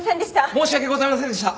申し訳ございませんでした。